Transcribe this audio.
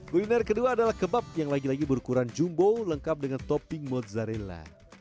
kuliner kedua adalah kebab yang lagi lagi berukuran jumbo lengkap dengan topping mozzarella